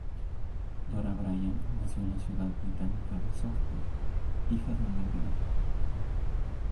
Dora Bryan nació en la ciudad británica de Southport, hija de un vendedor.